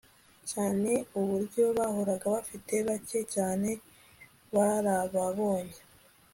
cyane uburyo bahoraga bafite. bake cyane barababonye